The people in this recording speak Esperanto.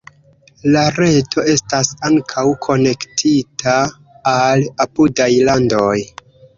La reto estas ankaŭ konektita al apudaj landoj.